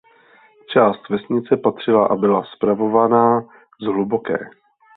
Část vesnice patřila a byla spravovaná z Hluboké.